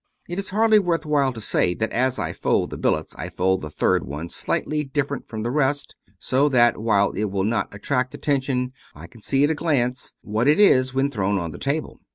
It is hardly worth while to say that as I fold the billets, I fold the third one slightly different from the rest, so that while it will not attract attention, I can see at a glance what it is when thrown on the table.